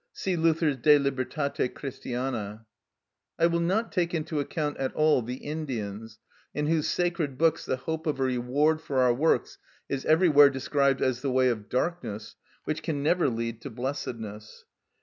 See Luther's "De Libertate Christiana." I will not take into account at all the Indians, in whose sacred books the hope of a reward for our works is everywhere described as the way of darkness, which can never lead to blessedness.